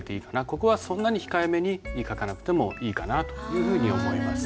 ここはそんなに控えめに書かなくてもいいかなというふうに思います。